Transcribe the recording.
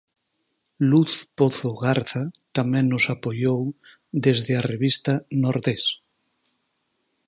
Luz Pozo Garza tamén nos apoiou desde a revista Nordés.